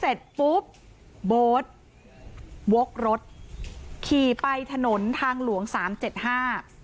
เสร็จปุ๊บโบ๊ทวกรถขี่ไปถนนทางหลวงสามเจ็ดห้า